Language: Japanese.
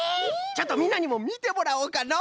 ちょっとみんなにもみてもらおうかの！